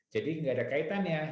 jadi tidak ada kaitannya